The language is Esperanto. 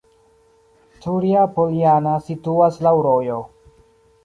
Turja-Poljana situas laŭ rojo.